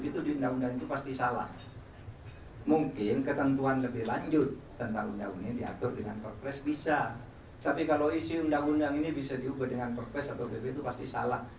tapi kalau isi undang undang ini bisa diubah dengan perpres atau pp itu pasti salah